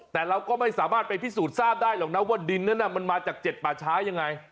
แต่เราก็ไม่สามารถไปพิสูจน์ทราบได้หรอกนะว่าดินนั้นมันมาจาก๗ป่าช้ายังไง